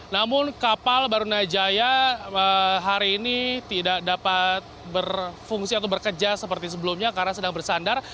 namun kapal barunajaya hari ini tidak dapat berfungsi atau bekerja seperti sebelumnya karena sedang bersandar